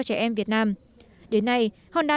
trẻ em việt nam đến nay honda